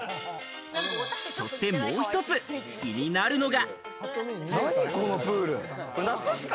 そしてもう１つ気になるのが。